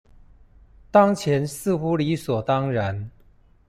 當前似乎理所當然